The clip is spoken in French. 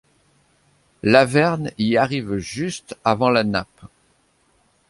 Laverne y arrive juste avant la nappe.